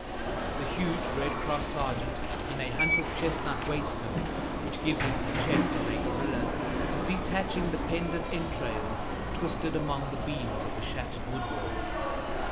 The huge Red Cross sergeant, in a hunter's chestnut waistcoat which gives him the chest of a gorilla, is detaching the pendent entrails twisted among the beams of the shattered woodwork.